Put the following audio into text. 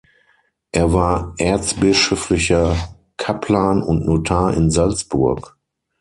Er war erzbischöflicher Kaplan und Notar in Salzburg.